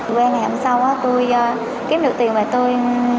qua ngày hôm sau tôi kiếm được tiền và tôi